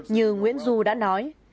như nguyễn du đã nói